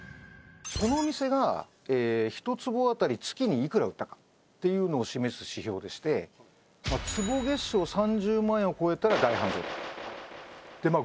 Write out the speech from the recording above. そのお店が一坪あたり月にいくら売ったかっていうのを示す指標でして坪月商３０万円を超えたら大繁盛でまあ